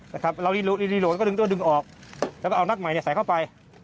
นะครับเรารีดลูกรีดลูกแล้วก็ดึงตัวดึงออกแล้วก็เอานักใหม่เนี่ยใส่เข้าไป